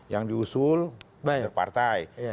yang diusul dari partai